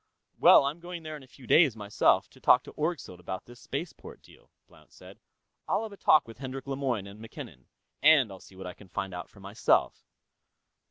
"Well, I'm going there in a few days, myself, to talk to Orgzild about this spaceport deal," Blount said. "I'll have a talk with Hendrik Lemoyne and MacKinnon. And I'll see what I can find out for myself."